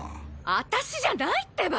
アタシじゃないってば！